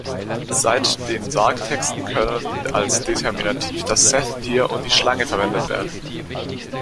Seit den Sargtexten können als Determinativ das Seth-Tier und die Schlange verwendet werden.